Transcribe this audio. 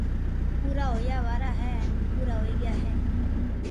پور ھويا وارا ھي ھين پورا ھوئي گيا ھي